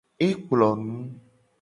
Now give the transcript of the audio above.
E kplo nu.